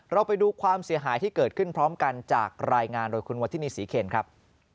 เราไปดูความเสียหายที่เกิดขึ้นพร้อมกันจากรายงานโดยคุณวัฒนีศรีเคนครับ